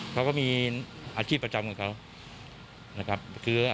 เขาก็มีอาชีพประจำกับเขา